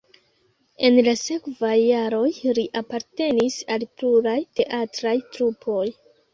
En la sekvaj jaroj li apartenis al pluraj teatraj trupoj.